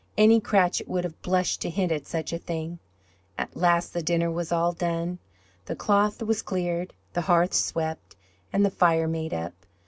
Any Cratchit would have blushed to hint at such a thing. At last the dinner was all done, the cloth was cleared, the hearth swept, and the fire made up.